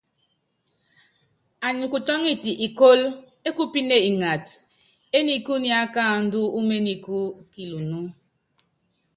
Anyi kutɔ́ŋitɛ ikóló ékupíne ngata éniku ní akáandú uményikú kilunú.